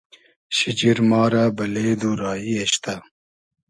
شیجیر ما رۂ بئلې دو رایی اېشتۂ